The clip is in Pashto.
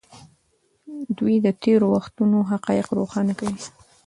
دوی د تېرو وختونو حقایق روښانه کوي.